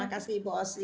terima kasih ibu osi